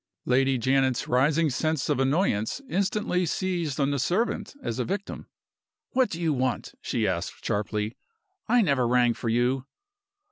Lady Janet's rising sense of annoyance instantly seized on the servant as a victim. "What do you want?" she asked, sharply. "I never rang for you."